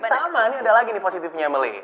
sama nih ada lagi nih positifnya mele